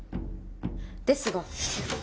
ですが。